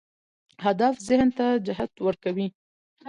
هدف ذهن ته جهت ورکوي.